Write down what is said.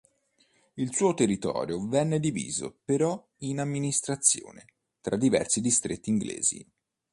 Il suo territorio venne diviso però in amministrazione tra diversi distretti inglesi.